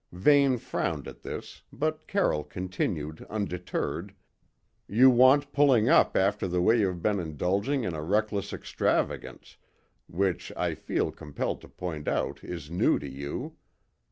Vane frowned at this, but Carroll continued undeterred: "You want pulling up after the way you have been indulging in a reckless extravagance, which I feel compelled to point out is new to you.